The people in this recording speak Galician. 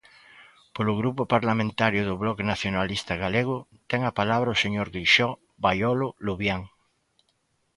Polo Grupo Parlamentario do Bloque Nacionalista Galego, ten a palabra o señor Grixó Baiolo-Luvián.